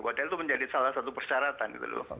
padahal itu menjadi salah satu persyaratan gitu loh